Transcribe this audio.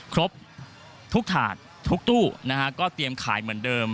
ครบทุกถาดทุกตู้นะฮะก็เตรียมขายเหมือนเดิม